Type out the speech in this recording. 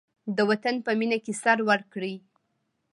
د وطن په مینه کې سر ورکړئ.